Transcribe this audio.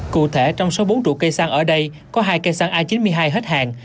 cụ thể trong số bốn trụ cây xăng ở đây có hai cây xăng a chín mươi hai hết hàng